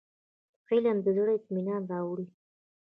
علم د زړه اطمينان راوړي.